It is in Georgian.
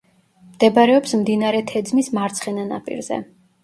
მდებარეობს მდინარე თეძმის მარცხენა ნაპირზე.